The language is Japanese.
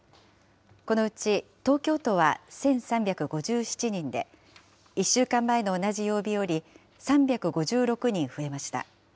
このうち東京都は１３５７人で、１週間前の同じ曜日より３５６人増えました。